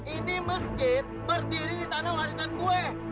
ini masjid berdiri di tanah warisan gue